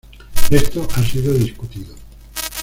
Esto ha sido discutido.